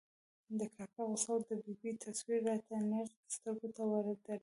د کاکا غوسه او د ببۍ تصویر را ته نېغ سترګو ته ودرېد.